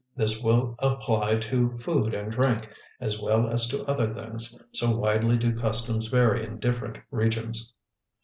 This will apply to food and drink, as well as to other things, so widely do customs vary in different regions.